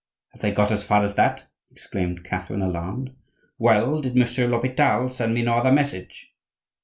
"Have they got as far as that?" exclaimed Catherine, alarmed. "Well, did Monsieur l'Hopital send me no other message?"